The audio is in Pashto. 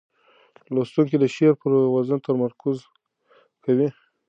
لوستونکي د شعر پر وزن تمرکز کوي.